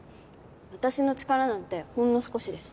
私の力なんてほんの少しです